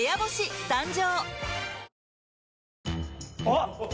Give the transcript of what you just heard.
あっ！